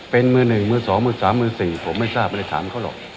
เป็นมือหนึ่งมือสองมือสามมือสี่ผมไม่ทราบไม่ได้ถามเขาหรอก